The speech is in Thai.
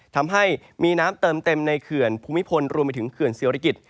ทำให้มีน้ำเติมเต็มในเขื่อนภูมิพลรวมไปถึงเขื่อนศิริกิจ